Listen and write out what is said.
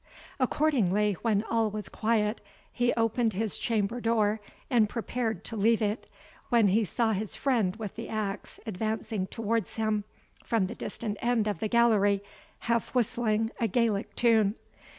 Accordingly, when all was quiet, he opened his chamber door, and prepared to leave it, when he saw his friend with the axe advancing towards him from the distant end of the gallery, half whistling, a Gaelic tune.